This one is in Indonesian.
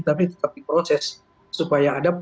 tapi tetap diproses supaya ada